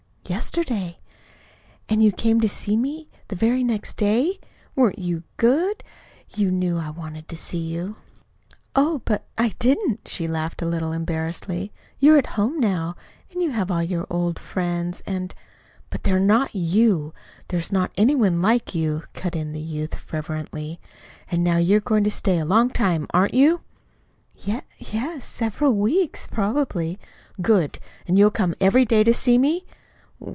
"Yesterday." "And you came to see me the very next day! Weren't you good? You knew how I wanted to see you." "Oh, but I didn't," she laughed a little embarrassedly. "You're at home now, and you have all your old friends, and " "But they're not you. There's not any one like you," cut in the youth fervently. "And now you're going to stay a long time, aren't you?" "Y yes, several weeks, probably." "Good! And you'll come every day to see me?"